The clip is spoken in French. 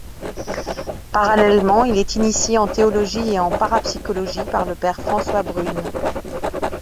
Parallèlement, il est initié en théologie et en parapsychologie par le Père François Brune.